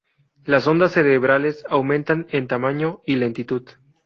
Las ondas cerebrales aumentan en tamaño y lentitud.